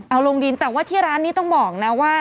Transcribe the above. เอาลงดินแต่ว่าที่ร้านนี้ต้องบอกนะว่า